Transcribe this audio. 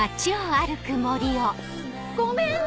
ごめんね！